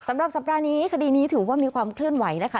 สำหรับสัปดาห์นี้คดีนี้ถือว่ามีความเคลื่อนไหวนะคะ